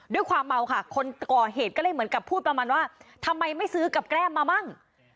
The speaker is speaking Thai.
ด้วยความเมาค่ะคนก่อเหตุก็เลยเหมือนกับพูดประมาณว่าทำไมไม่ซื้อกับแก้มมามั่ง